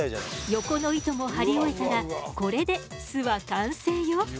横の糸も張り終えたらこれで巣は完成よ。